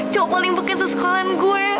cowok melimpukin seseorang gue